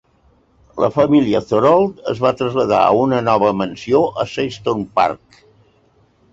La família Thorold es va traslladar a una nova mansió a Syston Park.